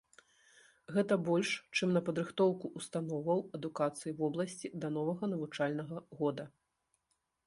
Гэта больш, чым на падрыхтоўку ўстановаў адукацыі вобласці да новага навучальнага года.